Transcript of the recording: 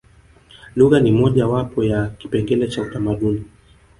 lugha ni moja wapo ya kipengele cha utamaduni